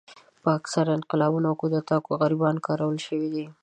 په اکثره انقلابونو او کودتاوو کې غریبان کارول شوي دي.